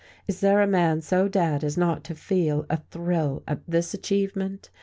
Is there a man so dead as not to feel a thrill at this achievement?